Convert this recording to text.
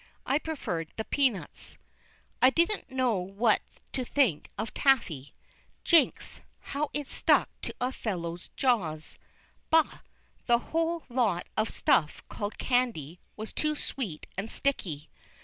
I preferred the peanuts. I didn't know what to think of "taffy." Jinks! how it stuck to a fellow's jaws! Bah! the whole lot of stuff called "candy" was too sweet and sticky.